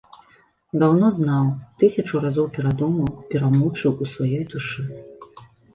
Даўно знаў, тысячу разоў перадумаў, перамучыў у сваёй душы.